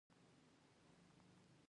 د سبټایټل سم ځای د پیغام وضاحت زیاتوي.